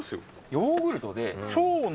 ヨーグルトで。